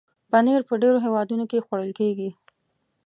پنېر په ډېرو هېوادونو کې خوړل کېږي.